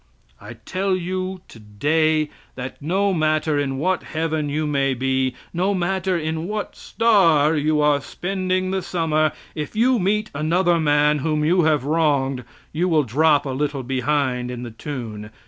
I tell you today, that no matter in what heaven you may be, no matter in what star you are spending the summer; if you meet another man whom you have wronged, you will drop a little behind in the tune.